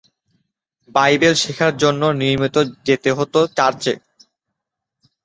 Bible শেখার জন্য নিয়মিত যেতে হতো চার্চে।